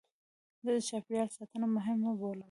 زه چاپېریال ساتنه مهمه بولم.